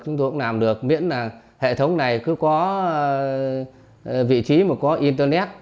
chúng tôi cũng làm được miễn là hệ thống này cứ có vị trí mà có internet